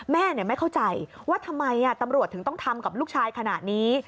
แม่ไม่เข้าใจว่าทำไมตำรวจถึงต้องทำกับลูกชายขนาดนี้